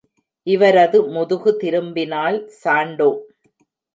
இவரது முதுகு திரும்பினால் சாண்டோ!